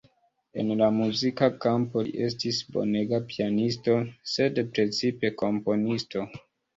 En la muzika kampo li estis bonega pianisto, sed precipe komponisto.